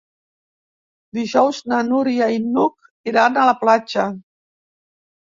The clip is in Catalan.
Dijous na Núria i n'Hug iran a la platja.